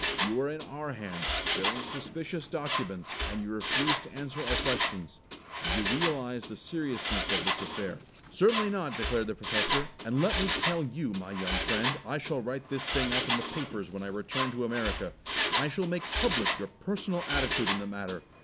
"You are in our hands, bearing suspicious documents, and you refuse to answer our questions. Do you realize the seriousness of this affair?" "Certainly not!" declared the Professor, "and let me tell you, my young friend, I shall write this thing up in the papers when I return to America. I shall make public your personal attitude in the matter.